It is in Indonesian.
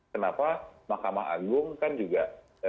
kenapa mahkamah agung kan juga